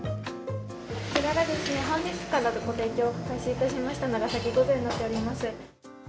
こちらが本日からご提供を開始いたしました、長崎御膳になっております。